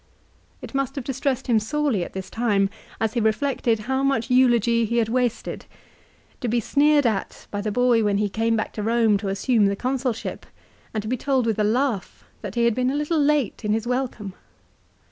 It must have distressed him sorely at this time as he reflected how much eulogy he had wasted. To be sneered at by the boy when he came back to Rome to assume the Consulship, and to be told with a laugh that he had been a little late in his welcome